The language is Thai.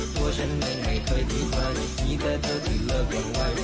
ตัวฉันไม่ให้เคยพิสัยอย่างนี้แค่เธอที่เลิกกันไว้